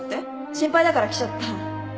心配だから来ちゃった